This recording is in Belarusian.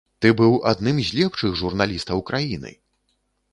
Ты быў адным з лепшых журналістаў краіны!